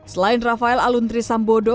selain rafael alun trisambodo